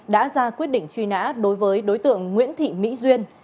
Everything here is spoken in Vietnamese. đã ra quyết định truy nã đối với đối tượng nguyễn thị mỹ duyên